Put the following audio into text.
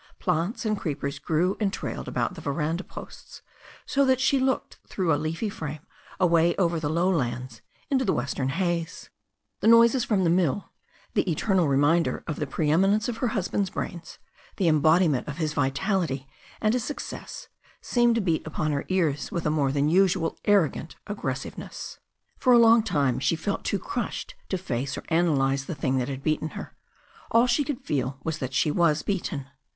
Plants and creepers grew and trailed about the veranda posts, so that she looked through a leafy frame away over the low lands into the western haze. The noises from the mill, the eternal reminder of the preeminence of her hus band's brains, the embodiment of his vitality and his suc cess, seemed to beat upon her ears with a more than usual arrogant aggressiveness. For a long time she sat feeling too crushed to face or analyze the thing that had beaten her. All she could feel was that she was beaten.